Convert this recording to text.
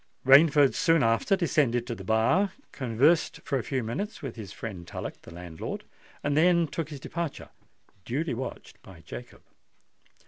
Rainford soon after descended to the bar, conversed for a few minutes with his friend Tullock, the landlord, and then took his departure—duly watched by Jacob.